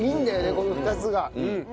この２つが。